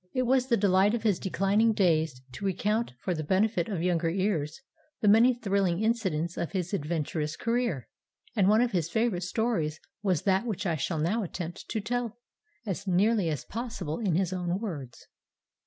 It was the delight of his declining days to recount for the benefit of younger ears the many thrilling incidents of his adventurous career, and one of his favourite stories was that which I shall now attempt to tell, as nearly as possible in his own words.